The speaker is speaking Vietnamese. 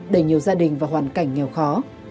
đầy nhiều gia đình và hoàn cảnh nghèo khó